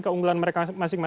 keunggulan mereka dan sebagainya